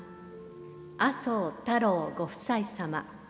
麻生太郎ご夫妻様。